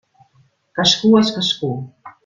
Cascú és cascú.